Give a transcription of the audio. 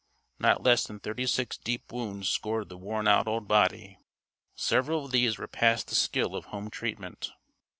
Not less than thirty six deep wounds scored the worn out old body. Several of these were past the skill of home treatment.